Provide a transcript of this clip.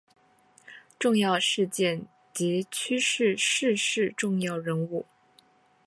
重要事件及趋势逝世重要人物